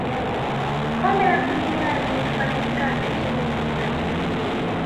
kombe la dunia lilifanyika nchini itali